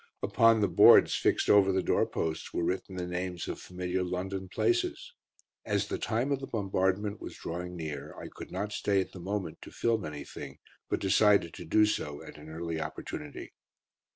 Upon the boards fixed over the doorposts were written the names of familiar London places. As the time of the bombardment was drawing near I could not stay at the moment to film anything, but decided to do so at an early opportunity.